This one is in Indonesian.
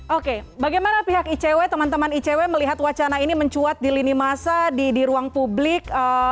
oke bagaimana pihak icw teman teman icw melihat wacana ini mencuat di lini masa di ruang publik